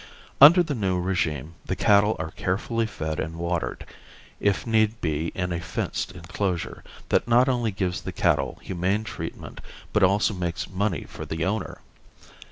Under the new regime the cattle are carefully fed and watered, if need be in a fenced enclosure, that not only gives the cattle humane treatment but also makes money for the owner.